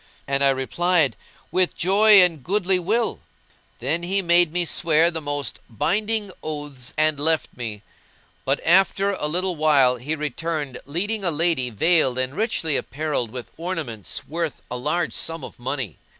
And I replied, "With joy and goodly will." Then he made me swear the most binding oaths and left me; but after a little while he returned leading a lady veiled and richly apparelled with ornaments worth a large sum of money.